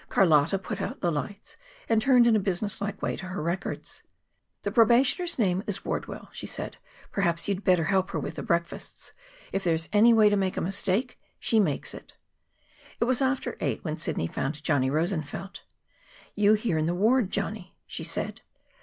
Carlotta put out the lights and turned in a business like way to her records. "The probationer's name is Wardwell," she said. "Perhaps you'd better help her with the breakfasts. If there's any way to make a mistake, she makes it." It was after eight when Sidney found Johnny Rosenfeld. "You here in the ward, Johnny!" she said.